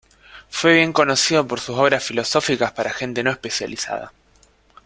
Fue bien conocido por sus obras filosóficas para gente no especializada.